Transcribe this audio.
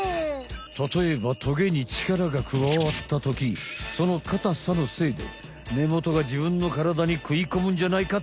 たとえばトゲに力がくわわったときそのかたさのせいでねもとが自分のからだにくいこむんじゃないかってこと。